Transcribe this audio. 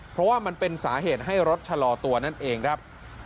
เพราะว่ามันเป็นสาเหตุให้รถชะลอตัวนั่นเองครับ